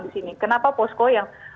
di sini kenapa posko yang